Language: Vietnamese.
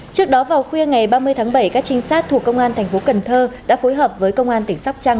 trước đó vào khuya ngày ba mươi tháng bảy các trinh sát thuộc công an tp hcm đã phối hợp với công an tỉnh sóc trăng